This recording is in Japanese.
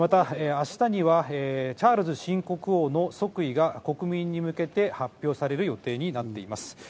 また、明日にはチャールズ新国王の即位が国民に向けて発表される予定になっています。